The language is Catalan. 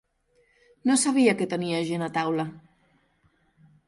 No sabia que tenia gent a taula.